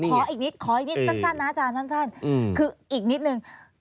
ขออีกนิดขออีกนิดสั้นนะอาจารย์สั้นคืออีกนิดนึง